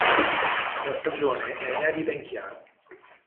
La stagione è inedita in chiaro.